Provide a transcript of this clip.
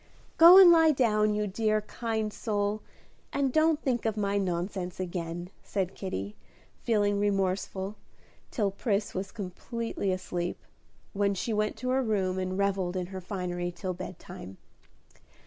"Go and lie down, you dear, kind soul, and don't think of my nonsense again," said Kitty, feeling remorseful, till Pris was comfortably asleep, when she went to her room and revelled in her finery till bedtime.